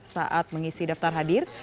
saat mengisi daftar hadir